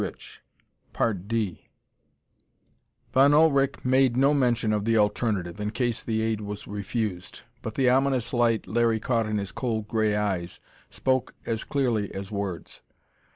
Von Ullrich made no mention of the alternative, in case the aid was refused, but the ominous light Larry caught in his cold gray eyes spoke as clearly as words.